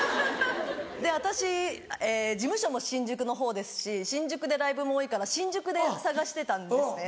で私事務所も新宿のほうですし新宿でライブも多いから新宿で探してたんですね。